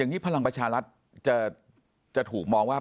ครับจะถูกมองว่า